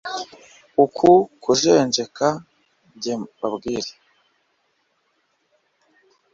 Uku kujenjeka jye mbabwire